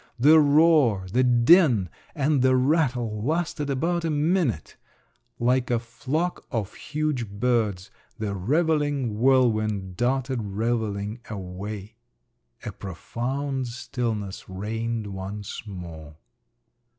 The roar, the din, and the rattle lasted about a minute…. Like a flock of huge birds the revelling whirlwind darted revelling away. A profound stillness reigned once more.